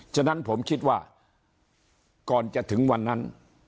ฉะนั้นผมคิดว่าก่อนจะถึงวันนั้น